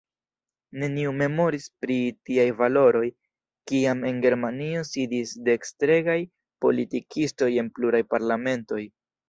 Neniu memoris pri tiaj valoroj, kiam en Germanio sidis dekstregaj politikistoj en pluraj parlamentoj.